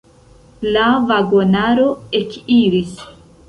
La vagonaro ekiris.